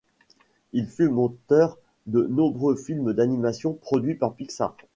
Il fut monteur de nombreux films d'animations produits par Pixar.